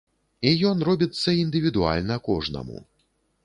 І ён робіцца індывідуальна кожнаму.